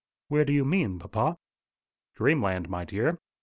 "Where do you mean, papa?" "Dreamland, my dear.